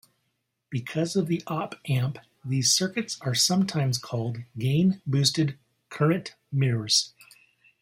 Because of the op amp, these circuits are sometimes called gain-boosted current mirrors.